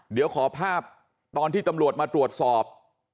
เดี๋ยวขอภาพตอนที่ตำรวจมาตรวจสอบ